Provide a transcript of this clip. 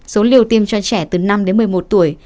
số liều tiêm cho trẻ từ năm đến một mươi một tuổi